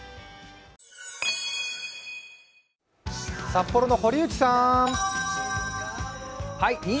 札幌の堀内さん。